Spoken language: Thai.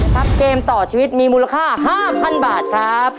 เกมต่อชีวิตมีมูลค่า๕๐๐๐บาทครับ